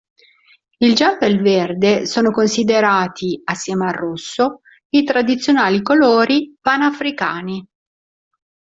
Il giallo e il verde sono considerati, assieme al rosso, i tradizionali colori panafricani.